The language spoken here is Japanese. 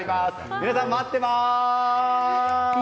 皆さん、待ってます！